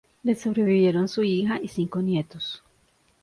Le sobrevivieron su hija y cinco nietos.